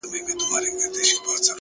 د ټپې په اله زار کي يې ويده کړم-